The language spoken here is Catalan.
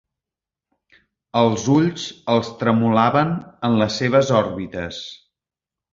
Els ulls els tremolaven en les seves òrbites.